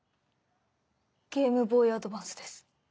ゲームボーイアドバンスです。